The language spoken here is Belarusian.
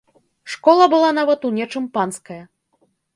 Школа была нават у нечым панская.